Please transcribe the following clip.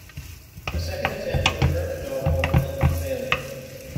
A second attempt to return to Norfolk met with failure.